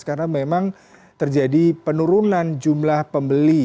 karena memang terjadi penurunan jumlah pembeli